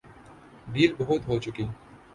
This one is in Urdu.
ڈھیل بہت ہو چکی۔